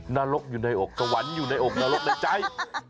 นรกอยู่ในอกสวรรค์อยู่ในอกนรกในใจ